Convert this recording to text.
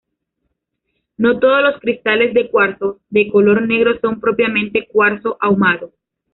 No todos los cristales de cuarzo de color negro son propiamente cuarzo ahumado.